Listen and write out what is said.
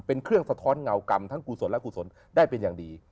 เป็นเครื่องสะท้อนเงากรรมทั้งกุศลและกุศลได้เป็นอย่างดี